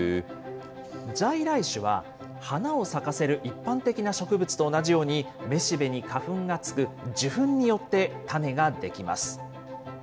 在来種は、花を咲かせる一般的な植物と同じように、雌しべに花粉がつく受粉によって種が出来ます。